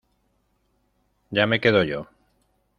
ya me quedo yo.